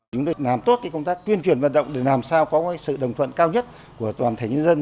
chúng tôi làm tốt công tác tuyên truyền vận động để làm sao có sự đồng thuận cao nhất của toàn thể nhân dân